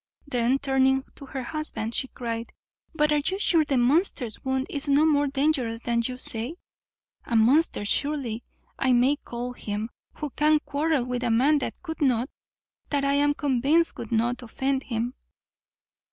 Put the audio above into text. Then turning to her husband, she cried, "But are you sure the monster's wound is no more dangerous than you say? a monster surely I may call him, who can quarrel with a man that could not, that I am convinced would not, offend him."